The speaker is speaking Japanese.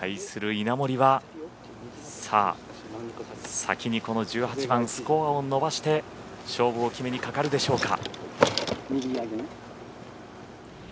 稲森は、先にこの１８番スコアを伸ばして勝負を決めにかかるでしょうか。